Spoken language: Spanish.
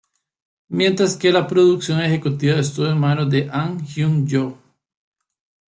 Mientras que la producción ejecutiva estuvo en manos de Ahn Hyung-jo.